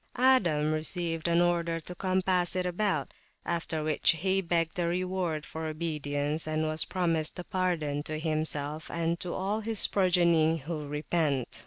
Adam received an order to compass it about; after which, he begged a reward for obedience, and was promised a pardon to himself and to all his progeny who repent.